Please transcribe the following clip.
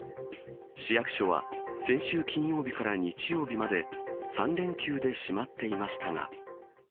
市役所は、先週金曜日から日曜日まで、３連休で閉まっていましたが。